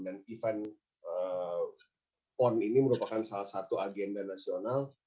dan event pon ini merupakan salah satu agenda nasional